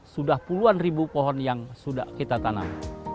sudah puluhan ribu pohon yang sudah kita tanam